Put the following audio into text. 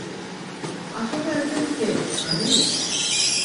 আসলে আইটেম কে, আদি?